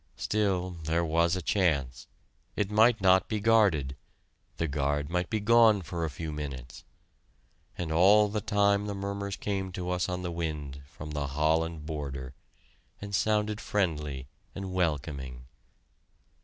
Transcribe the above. Still, there was a chance. It might not be guarded the guard might be gone for a few minutes. And all the time the murmurs came to us on the wind from the Holland border, and sounded friendly and welcoming.